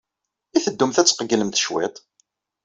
I teddumt ad tqeyylemt cwiṭ?